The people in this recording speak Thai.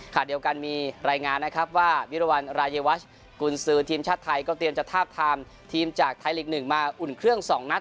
เดียวกันมีรายงานนะครับว่าวิรวรรณรายวัชกุญสือทีมชาติไทยก็เตรียมจะทาบทามทีมจากไทยลีก๑มาอุ่นเครื่อง๒นัด